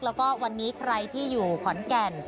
แล้วก็วันนี้ใครที่อยู่ขอนแก่น